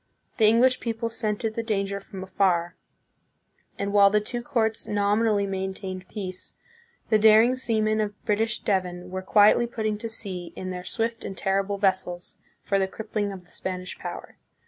The English people scented the danger from afar, and CONQUEST AND SETTLEMENT, 1565 1600. 145 while the two courts nominally maintained peace, the dar ing seamen of British Devon were quietly putting to sea in their swift and terrible vessels, for the 'crippling of the Spanish power.